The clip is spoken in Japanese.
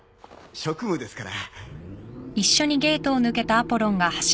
職務ですから。